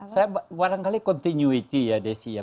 saya barangkali continuity ya desi ya